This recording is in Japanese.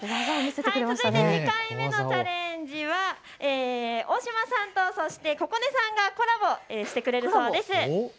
続いて２回目のチャレンジは大嶋さんとそして心音さんがコラボしてくれるそうです。